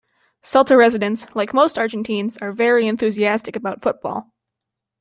Salta residents, like most Argentines, are very enthusiastic about football.